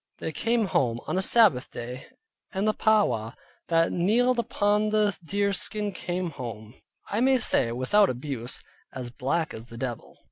They came home on a Sabbath day, and the Powaw that kneeled upon the deer skin came home (I may say, without abuse) as black as the devil.